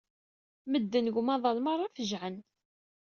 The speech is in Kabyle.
Medden deg umaḍal merra fejɛen.